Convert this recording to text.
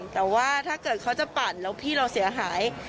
แต่ว่าถ้าเกิดเขาจะปั่นแล้วพี่เราเสียหาย